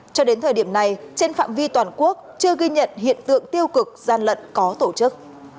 cho đến thời điểm này trên phạm vi toàn quốc chưa ghi nhận hiện tượng tiêu cực gian lận có tổ chức